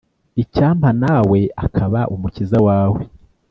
Icyampa nawe akaba umukiza wawe